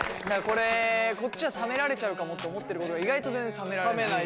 これこっちは冷められちゃうかもって思ってることが意外と全然冷められない。